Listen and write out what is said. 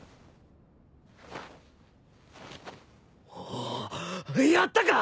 おおやったか！？